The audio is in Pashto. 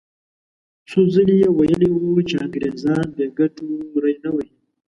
څو ځلې یې ویلي وو چې انګریزان بې ګټو ری نه وهي.